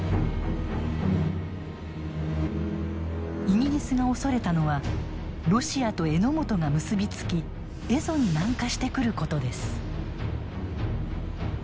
イギリスが恐れたのはロシアと榎本が結び付き蝦夷に南下してくることです。